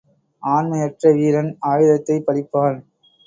ஆண்மையற்ற வீரன் ஆயுதத்தைப் பழிப்பான்.